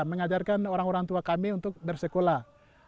mengajarkan orang orang tua kami untuk bersekolah